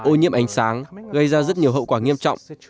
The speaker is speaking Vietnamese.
ô nhiễm ánh sáng gây ra rất nhiều hậu quả nghiêm trọng